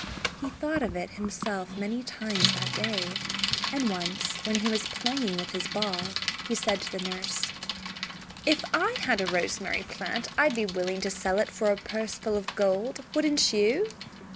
He thought of it himself many times that day, and once, when he was playing with his ball, he said to the nurse: "If I had a rosemary plant I'd be willing to sell it for a purse full of gold. Wouldn't you?"